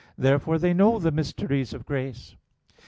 Therefore they know the mysteries of grace.